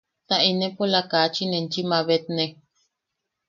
Ta ne inepola kachin enchi mabetne.